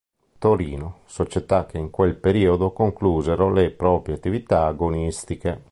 Torino, società che in quel periodo conclusero le proprie attività agonistiche.